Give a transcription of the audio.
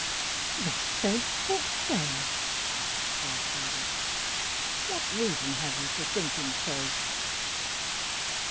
"The saints forefend!" cried Shoreditch; "what reason have you for thinking so?"